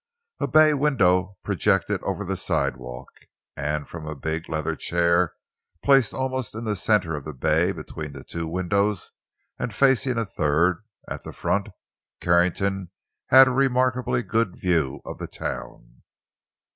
A bay window projected over the sidewalk, and from a big leather chair placed almost in the center of the bay between two windows and facing a third, at the front, Carrington had a remarkably good view of the town.